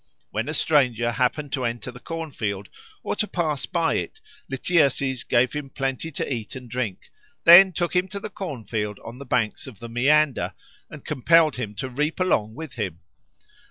When a stranger happened to enter the corn field or to pass by it, Lityerses gave him plenty to eat and drink, then took him to the corn fields on the banks of the Maeander and compelled him to reap along with him.